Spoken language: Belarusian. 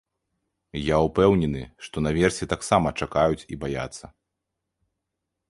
Я ўпэўнены, што наверсе таксама чакаюць і баяцца.